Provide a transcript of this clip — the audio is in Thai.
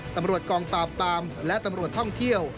ตำรวจกองปราบปามและตำรวจท่องเที่ยว